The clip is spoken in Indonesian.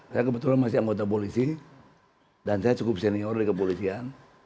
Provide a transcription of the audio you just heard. saya kebetulan masih anggota polisi dan saya cukup senior di kepolisian